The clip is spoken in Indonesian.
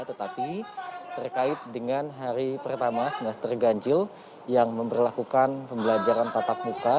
tetapi terkait dengan hari pertama semester ganjil yang memperlakukan pembelajaran tatap muka